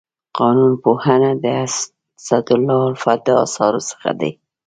قانون پوهنه د اسدالله الفت د اثارو څخه دی.